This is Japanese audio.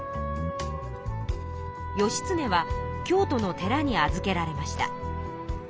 義経は京都の寺に預けられました。